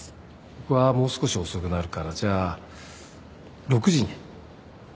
僕はもう少し遅くなるからじゃあ６時にあの店で。